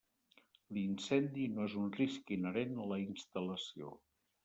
L'incendi no és un risc inherent a la instal·lació.